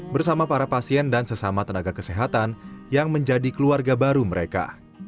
bersama para pasien dan sesama tenaga kesehatan yang menjadi keluarga baru mereka